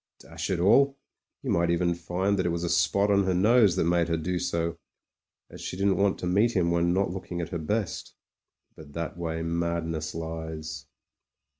Dash it all! you might even find that it was a spot on her nose that made her do so, as she didn't want to meet him when not looking at her best ! But that way madness lies.